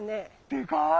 でかい！